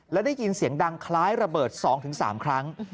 และได้ยินเสียงดังคล้ายระเบิด๒๓ครั้ง